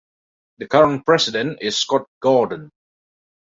The current president is Scott Gordon.